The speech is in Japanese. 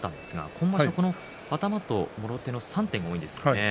今場所、頭ともろ手の３点が多いですね。